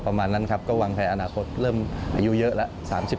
ประมาณนั้นครับก็วางแผนอนาคตเริ่มอายุเยอะแล้ว